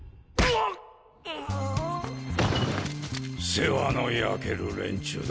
世話の焼ける連中だ。